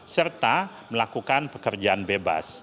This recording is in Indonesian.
serta melakukan pekerjaan bebas